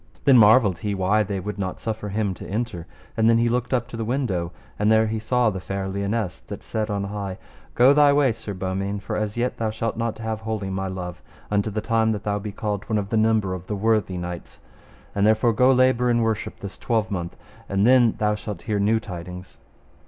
Then marvelled he why they would not suffer him to enter. And then he looked up to the window; and there he saw the fair Lionesse that said on high: Go thy way, Sir Beaumains, for as yet thou shalt not have wholly my love, unto the time that thou be called one of the number of the worthy knights. And therefore go labour in worship this twelvemonth, and then thou shalt hear new tidings.